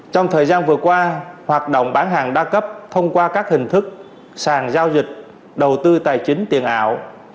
trong thời gian vừa qua hoạt động bán hàng đa cấp thông qua các hình thức sàn giao dịch đầu tư tài chính tiền ảo